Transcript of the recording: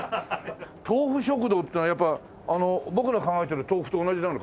豆富食堂ってのはやっぱ僕の考えてる豆腐と同じなのかしら？